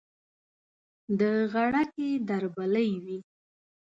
د غړکې دربلۍ وي